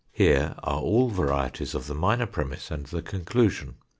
Here are all varieties of the minor premiss and the conclusion.